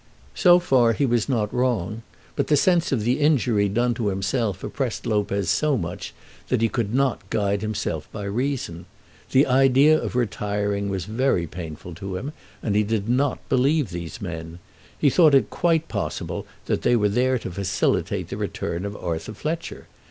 So far he was not wrong; but the sense of the injury done to himself oppressed Lopez so much that he could not guide himself by reason. The idea of retiring was very painful to him, and he did not believe these men. He thought it to be quite possible that they were there to facilitate the return of Arthur Fletcher.